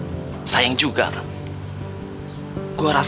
d troubling velvet saja yang kuiantly maksud